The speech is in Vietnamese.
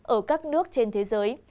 ở các nước trên thế giới